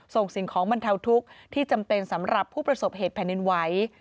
สิ่งของบรรเทาทุกข์ที่จำเป็นสำหรับผู้ประสบเหตุแผ่นดินไหว